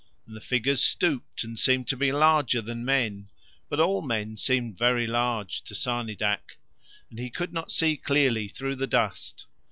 And the figures stooped and seemed to be larger than men, but all men seemed very large to Sarnidac, and he could not see clearly through the dust.